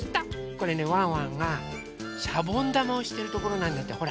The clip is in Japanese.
これねワンワンがしゃぼんだまをしてるところなんだってほら。